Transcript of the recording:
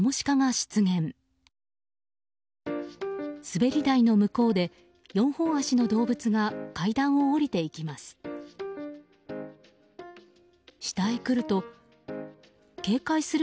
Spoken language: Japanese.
滑り台の向こうで４本足の動物が階段を下りていきます。